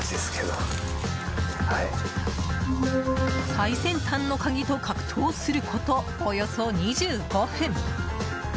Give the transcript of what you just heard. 最先端の鍵と格闘することおよそ２５分。